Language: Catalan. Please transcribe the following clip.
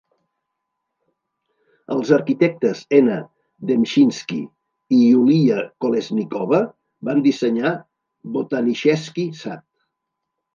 Els arquitectes N. Demchinsky i Yuliya Kolesnikova van dissenyar Botanichesky Sad.